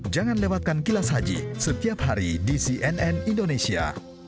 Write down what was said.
jangan lewatkan kilas haji setiap hari di cnn indonesia